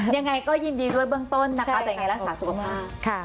ยังไงก็ยินดีด้วยเบื้องต้นนะคะยังไงรักษาสุขภาพ